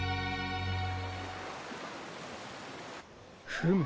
フム。